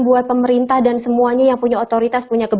buat pemerintah dan semuanya yang punya otoritas